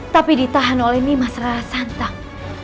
tapi ditahan oleh nimas rarasantang